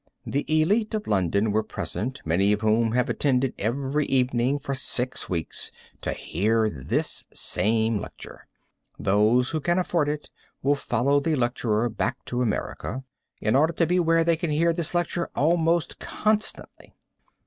The elite of London was present, many of whom have attended every evening for six weeks to hear this same lecture. Those who can afford it will follow the lecturer back to America, in order to be where they can hear this lecture almost constantly.